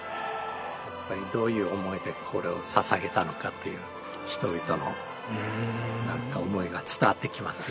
やっぱりどういう思いでこれを捧げたのかっていう人々の何か思いが伝わってきますね